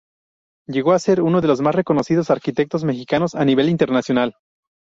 Llegó a ser uno de los más reconocidos arquitectos mexicanos a nivel internacional.